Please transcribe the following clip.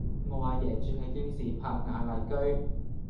我阿爺住喺京士柏雅麗居